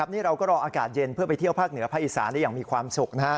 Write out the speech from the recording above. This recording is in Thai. นี่เราก็รออากาศเย็นเพื่อไปเที่ยวภาคเหนือภาคอีสานได้อย่างมีความสุข